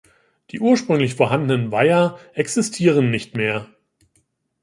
Die ursprünglich vorhandenen Weiher existieren nicht mehr.